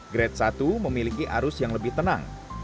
grade satu memiliki arus yang lebih tenang